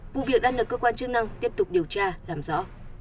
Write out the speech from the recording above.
vụ việc đang được cơ quan chức năng tiếp tục điều tra làm rõ